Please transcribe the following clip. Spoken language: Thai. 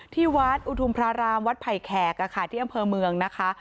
ที่วัดอุทุมพระรามวัดไผ่แขกที่อำเภอเมืองนะคะ